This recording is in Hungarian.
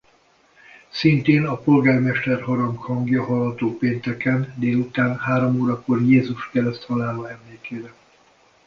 Szintén a Polgármester-harang hangja hallható pénteken délután három órakor Jézus kereszthalála emlékére.